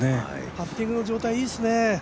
パッティングの状態いいですね。